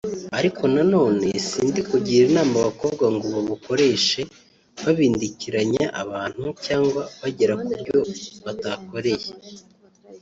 Ariko nanone sindi kugira inama abakobwa ngo babukoreshe babindikiranya abantu cyangwa bagera ku byo batakoreye